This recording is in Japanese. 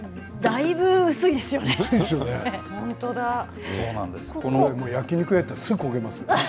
だいぶ薄いですよね。